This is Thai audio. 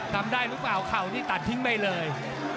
ทำได้ทุกหว่าวเข่านี่ตัดทิ้งไปเลย